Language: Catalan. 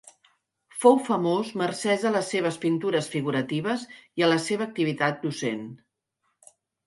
Fou famós mercès a les seves pintures figuratives i a la seva activitat docent.